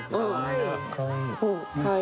かわいい。